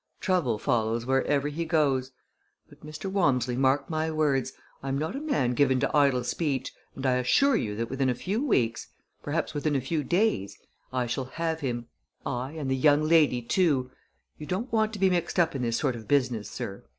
Trouble follows wherever he goes. But, Mr. Walmsley, mark my words! I am not a man given to idle speech and I assure you that within a few weeks perhaps within a few days I shall have him; aye, and the young lady, too! You don't want to be mixed up in this sort of business, sir.